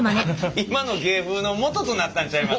今の芸風のもととなったんちゃいます？